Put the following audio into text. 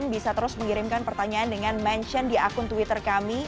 bisa terus mengirimkan pertanyaan dengan mention di akun twitter kami